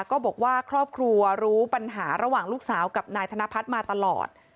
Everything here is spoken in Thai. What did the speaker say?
ก็บอกว่าครอบครัวรู้ปัญหาระหว่างลูกสาวกับนายธนพัฒน์มาตลอด